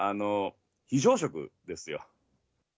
非常食ですよ。